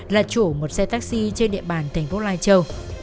là chủ một xe taxi trên địa bàn thành phố lai châu